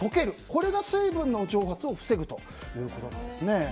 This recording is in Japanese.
これが水分の蒸発を防ぐということなんですね。